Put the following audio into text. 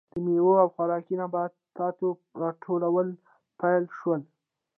د میوو او خوراکي نباتاتو راټولول پیل شول.